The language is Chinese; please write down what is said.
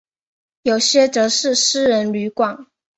有些则是私人旅馆。